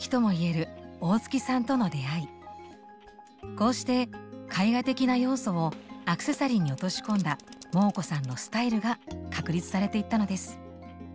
こうして絵画的な要素をアクセサリーに落とし込んだモー子さんのスタイルが確立されていったのです。